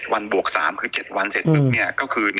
๗วันบวก๓ก็คือ๗วันเสร็จแล้ว